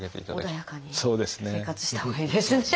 穏やかに生活してたほうがいいですね。